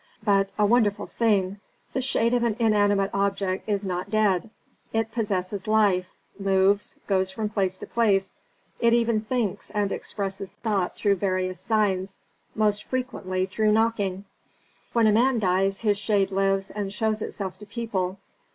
But a wonderful thing the shade of an inanimate object is not dead, it possesses life, moves, goes from place to place, it even thinks and expresses thought through various signs, most frequently through knocking. "When a man dies his shade lives and shows itself to people.